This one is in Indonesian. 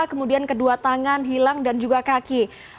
kemudian kedua tangan hilang dan juga kaki